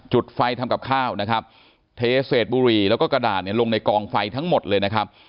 จุดไฟทำกับข้าวนะครับเทเศษบุหรี่แล้วก็กระดาษเนี่ยลงในกองไฟทั้งหมดเลยนะครับ